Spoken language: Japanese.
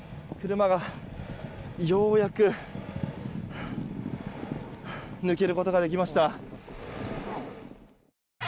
車が、ようやく。抜けることができました。